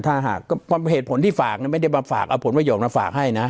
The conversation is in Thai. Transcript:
ถ้าหากก็เพราะเหตุผลที่ฝากเนี้ยไม่ได้มาฝากเอาผลประโยชน์มาฝากให้น่ะ